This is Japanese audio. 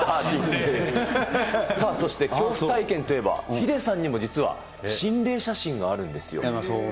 さあ、そして恐怖体験といえばヒデさんにも実は、心霊写真があるんですそう、